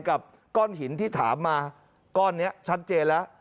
กับก้อนหินที่ถามมาก้อนนี้ชัดเจนแล้ว